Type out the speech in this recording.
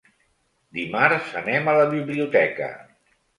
Dimarts anem a la biblioteca.